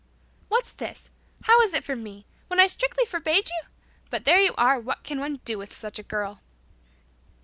"What's this? How is it for me? When I strictly forbade you? But there you are! What can one do with such a girl?"